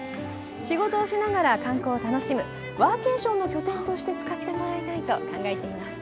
仕事をしながら観光を楽しむ、ワーケーションの拠点として使ってもらいたいと考えています。